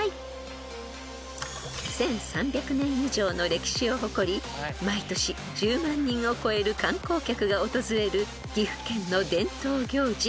［１，３００年以上の歴史を誇り毎年１０万人を超える観光客が訪れる岐阜県の伝統行事鵜飼］